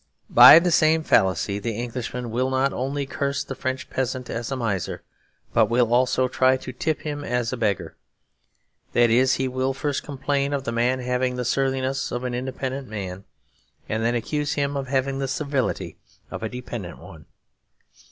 By the same fallacy the Englishman will not only curse the French peasant as a miser, but will also try to tip him as a beggar. That is, he will first complain of the man having the surliness of an independent man, and then accuse him of having the servility of a dependent one.